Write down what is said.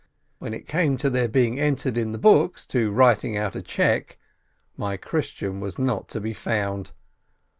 When it came to their being entered in the books, to writing out a check, my Christian was not to be found